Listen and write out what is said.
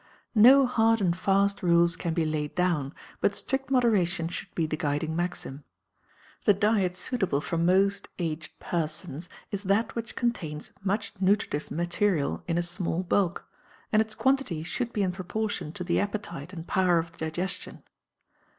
No hard and fast rules can be laid down, but strict moderation should be the guiding maxim. The diet suitable for most aged persons is that which contains much nutritive material in a small bulk, and its quantity should be in proportion to the appetite and power of digestion.